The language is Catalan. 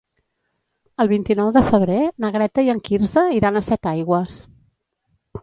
El vint-i-nou de febrer na Greta i en Quirze iran a Setaigües.